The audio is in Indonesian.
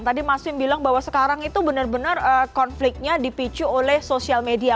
tadi mas wim bilang bahwa sekarang itu benar benar konfliknya dipicu oleh sosial media